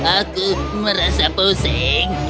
aku merasa pusing